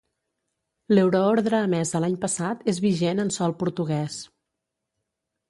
L'euroordre emesa l'any passat és vigent en sòl portuguès.